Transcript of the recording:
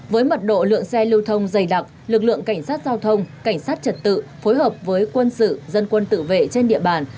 với mật độ lượng xe lưu thông dày đặc lực lượng cảnh sát giao thông cảnh sát trật tự phối hợp với quân sự dân quân tự vệ trên địa bàn